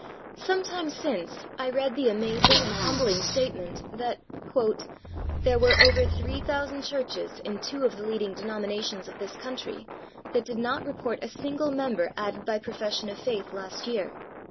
Some time since I read the amazing and humbling statement that "there were over 3,000 churches in two of the leading denom inations of this country that did not report a single member added by profession of faith last year."